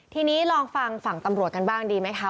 ทีนี้ลองฟังฝั่งตำรวจกันบ้างดีไหมคะ